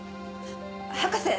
博士！